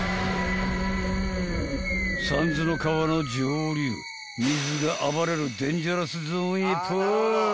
［三途の川の上流水が暴れるデンジャラスゾーンへポーイ！］